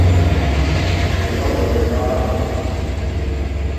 Šī valoda ir vācu taču.